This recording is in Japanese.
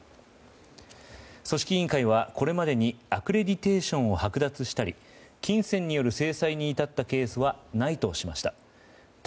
組織委員会は、これまでにアクレディテーションをはく奪したり金銭による制裁に至ったケースはないとしました。